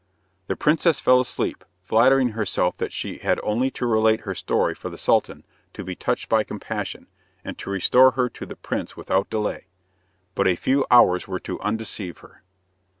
The princess fell asleep, flattering herself that she had only to relate her story for the Sultan to be touched by compassion, and to restore her to the prince without delay. But a few hours were to undeceive her.